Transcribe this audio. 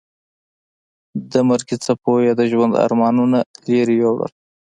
د مرګي څپو یې د ژوند ارمانونه لرې یوړل.